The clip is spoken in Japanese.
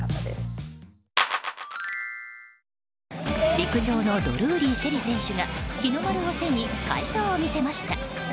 陸上のドルーリー朱瑛里選手が日の丸を背に快走を見せました。